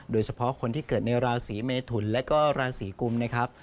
โดยเฉพาะคนที่เกิดในราศีเมทุนและก็ราศีกุมนะครับ